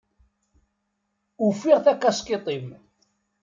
Ufiɣ takaskiṭ-im.